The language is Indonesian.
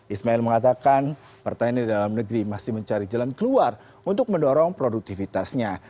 ismail mengatakan pertanian dalam negeri masih mencari jalan keluar untuk mendorong produktivitasnya